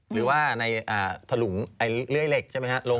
หรือว่าในถลุงเลื่อยเหล็กใช่ไหมครับ